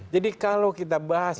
jadi kalau kita bahas